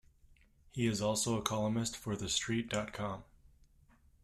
He is also a columnist for TheStreet dot com.